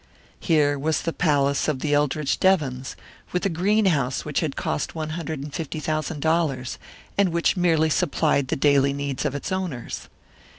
Here was the palace of the Eldridge Devons, with a greenhouse which had cost one hundred and fifty thousand dollars, and which merely supplied the daily needs of its owners.